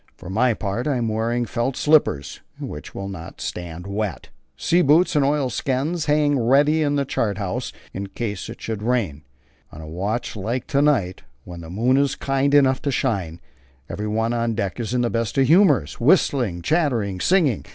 For my part I am wearing felt slippers, which will not stand wet. Sea boots and oilskins hang ready in the chart house, in case it should rain. On a watch like to night, when the moon is kind enough to shine, everyone on deck is in the best of humours, whistling, chattering, and singing.